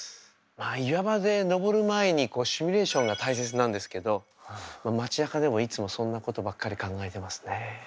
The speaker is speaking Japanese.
岩場で登る前にシミュレーションが大切なんですけど街なかでもいつもそんなことばっかり考えてますね。